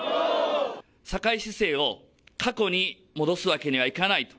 堺市政を過去に戻すわけにはいかない。